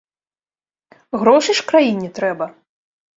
Грошы ж краіне трэба!